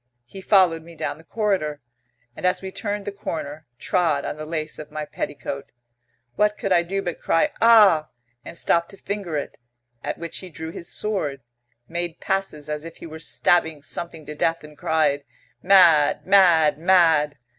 He followed me down the corridor, and, as we turned the corner, trod on the lace of my petticoat. What could I do but cry 'Ah!' and stop to finger it? At which he drew his sword, made passes as if he were stabbing something to death, and cried, 'Mad! Mad! Mad!'